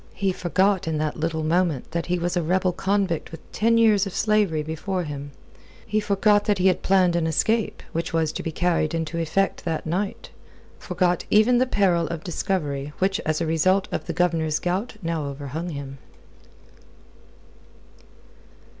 He forgot in that little moment that he was a rebel convict with ten years of slavery before him; he forgot that he had planned an escape, which was to be carried into effect that night; forgot even the peril of discovery which as a result of the Governor's gout now overhung him.